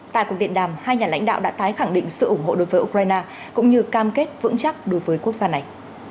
tại cuộc điện đàm hai nhà lãnh đạo đã tái khẳng định sự ủng hộ đối với ukraine cũng như cam kết vững chắc đối với quốc gia này